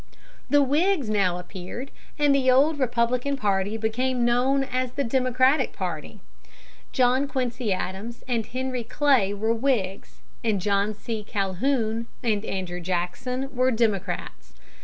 The Whigs now appeared, and the old Republican party became known as the Democratic party. John Quincy Adams and Henry Clay were Whigs, and John C. Calhoun and Andrew Jackson were Democrats.